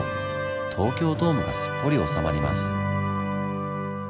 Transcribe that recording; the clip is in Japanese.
東京ドームがすっぽり収まります。